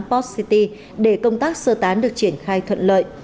post city để công tác sơ tán được triển khai thuận lợi